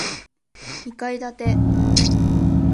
二階建て